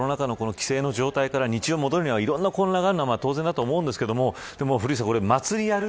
コロナ禍の犠牲の状態から日常に戻るには、いろんな混乱があるのは当然だと思うんですけど古市さん